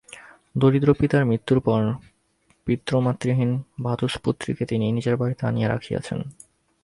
দরিদ্র পিতার মৃত্যুর পর পিতৃমাতৃহীনা ভ্রাতুষ্পুত্রীকে তিনি নিজের বাড়িতে আনিয়া রাখিয়াছেন।